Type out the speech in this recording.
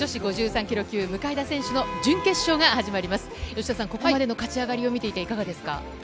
吉田さん、ここまでの勝ち上がりを見ていていかがですか？